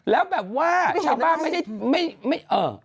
แล้วแบบว่าชาวบ้านไม่ได้